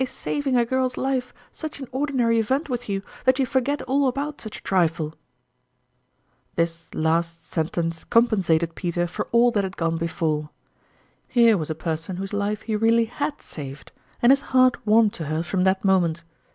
Is saving a girl's life such an ordinary event with you, that you forget all about such a trifle ?" This last sentence compensated Peter for all that had gone before. Here was a peison whose life he really had saved ; and his heart warmed to her from that moment.